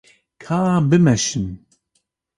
Ka em bimeşin.